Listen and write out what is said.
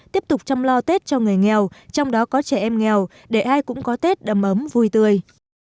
tiếp tục chăm lo tết cho người nghèo trong đó có trẻ em nghèo để ai cũng có tết đầm ấm vui tươi